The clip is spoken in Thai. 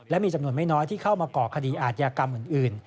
และมีจำนวนไม่น้อยที่เข้ามาก่อคดีอาจยากรรมอื่น